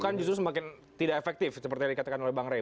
bukan justru semakin tidak efektif seperti yang dikatakan oleh bang rey